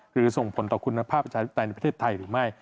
คือส่งผลต่อคุณภาพประชาธิปไตยในประเทศไทยหรือไม่